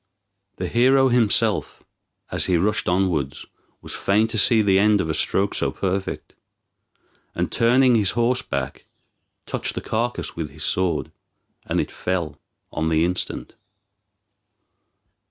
The hero himself, as he rushed onwards, was fain to see the end of a stroke so perfect, and turning his horse back, touched the carcass with his sword, and it fell on the instant!